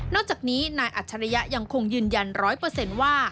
นอกจากนี้นายอัชรยะยังคงยืนยัน๑๐๐เปอร์เซ็นต์ว่า